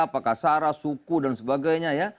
apakah sarah suku dan sebagainya ya